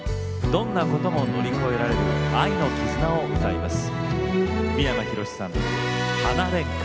どんなことも乗り越えられる愛の絆を歌います。